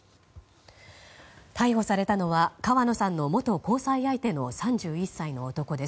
逮捕されたのは川野さんの元交際相手の３１歳の男です。